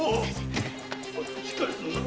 しっかりするんだ。